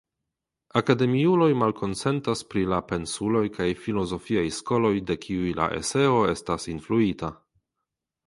Akademiuloj malkonsentas pri la pensuloj kaj filozofiaj skoloj de kiuj la eseo estas influita.